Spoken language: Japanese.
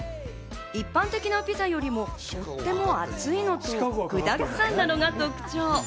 一般的なピザよりもとっても厚いのと、具だくさんなのが特徴。